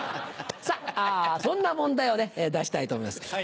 そんな問題を出したいと思います。